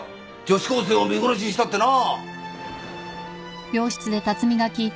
女子高生を見殺しにしたってな。